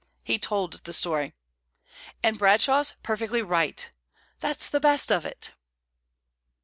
He told the story. "And Bradshaw's perfectly right; that's the best of it."